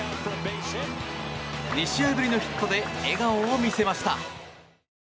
２試合ぶりのヒットで笑顔を見せました。